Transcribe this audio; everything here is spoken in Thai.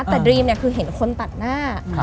แต่ดรีมคือเห็นคนตัดหน้า